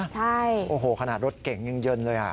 ใช่โอ้โหขนาดรถเก่งยังเย็นเลย